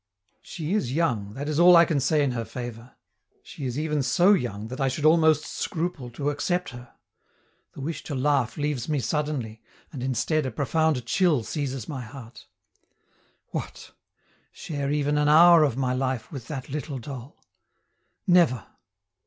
She is young, that is all I can say in her favor; she is even so young that I should almost scruple to accept her. The wish to laugh leaves me suddenly, and instead, a profound chill seizes my heart. What! share even an hour of my life with that little doll? Never!